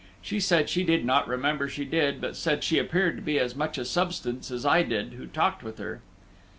She said she did not remember she did, but said she appeared to be as much a substance as I did who talked with her.